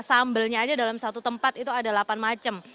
sambelnya aja dalam satu tempat itu ada delapan macam